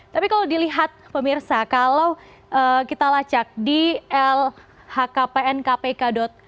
tapi kalau dilihat pemirsa kalau kita lacak di lhkpnkpk